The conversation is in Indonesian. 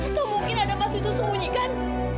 atau mungkin ada mas itu sembunyikan